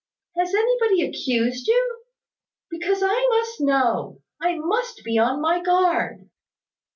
Has anybody accused you? Because I must know, I must be on my guard."